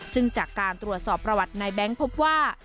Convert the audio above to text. ซึ่งจากการตรวจสอบประวัตินายแบงค์พบว่า